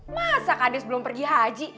masa kades belum pergi haji